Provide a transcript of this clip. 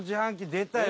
出たよ